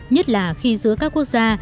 nhất là khi giữa các quốc gia